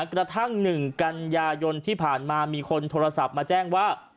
กระทั่ง๑กันยายนที่ผ่านมามีคนโทรศัพท์มาแจ้งว่า